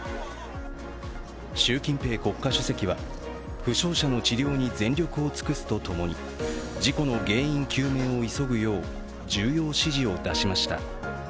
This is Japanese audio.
習近平国家主席は、負傷者の治療に全力を尽くすとともに、事故の原因究明を急ぐよう重要指示を出しました。